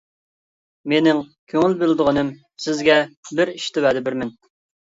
مېنىڭ كۆڭۈل بۆلىدىغىنىم سىزگە بىر ئىشتا ۋەدە بېرىمەن.